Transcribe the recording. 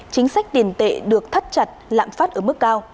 chính sách tiền tệ được thắt chặt lạm phát ở mức cao